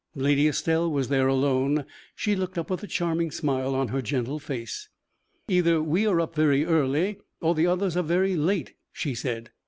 Lady Estelle was there alone. She looked up with a charming smile on her gentle face. "Either we are very early, or the others are very late," she said.